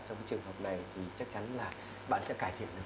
trong cái trường hợp này thì chắc chắn là bạn sẽ cải thiện được